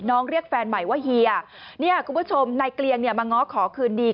เรียกแฟนใหม่ว่าเฮียเนี่ยคุณผู้ชมนายเกลียงเนี่ยมาง้อขอคืนดี